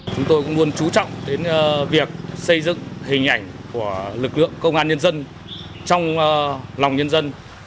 chúng tôi cũng luôn trú trọng đến việc xây dựng hình ảnh của lực lượng công an nhân dân trong lòng nhân dân